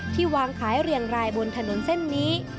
วางขายเรียงรายบนถนนเส้นนี้